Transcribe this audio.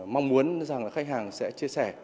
mong muốn rằng là khách hàng sẽ chia sẻ